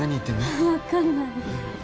わかんない。